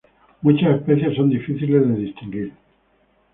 Muchas especies son difíciles de distinguir.